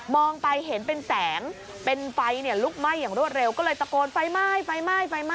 มองไปเห็นเป็นแสงเป็นไฟลุกไหม้อย่างรวดเร็วก็เลยตะโกนไฟไหม้